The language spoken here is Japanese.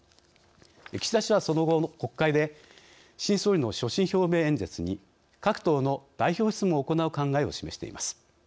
岸田氏は、その後の国会で新総理の所信表明演説に各党の代表質問を行う考えを示しています。